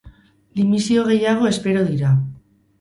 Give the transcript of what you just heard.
Dimisio gehiago espero dira.